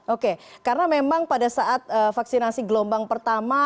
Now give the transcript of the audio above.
oke karena memang pada saat vaksinasi gelombang pertama